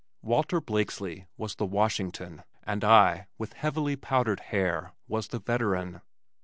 Walter Blakeslee was the "Washington" and I, with heavily powdered hair, was the veteran.